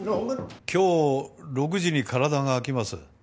今日６時に体が空きます。